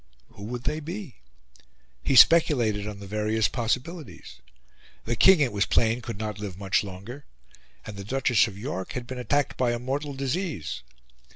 Who would they be? He speculated on the various possibilities: The King, it was plain, could not live much longer; and the Duchess of York had been attacked by a mortal disease.